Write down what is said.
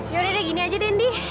yaudah deh gini aja deh ndi